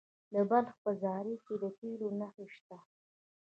د بلخ په زاري کې د تیلو نښې شته.